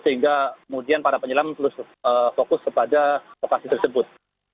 sehingga kemudian para penyelam terus fokus kepada lokasi tersebut